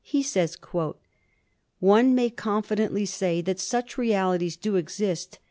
He says: "One may confidently say that such realities do exist.